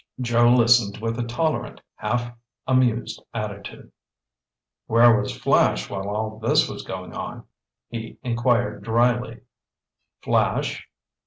Joe listened with a tolerant, half amused attitude. "Where was Flash while all this was going on?" he inquired dryly. "Flash?"